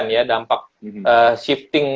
ya dampak shifting